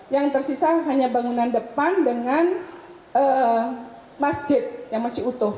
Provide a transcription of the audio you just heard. yang tersisa hanya bangunan depan dengan masjid yang masih utuh